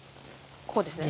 こうですね。